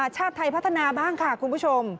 ชาติไทยพัฒนาบ้างค่ะคุณผู้ชม